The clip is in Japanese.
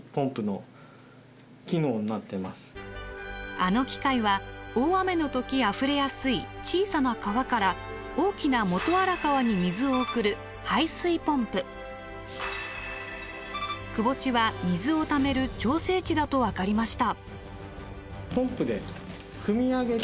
あの機械は大雨の時あふれやすい小さな川から大きな元荒川に水を送る窪地は水をためる調整池だと分かりました。